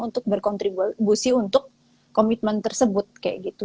untuk berkontribusi untuk komitmen tersebut kayak gitu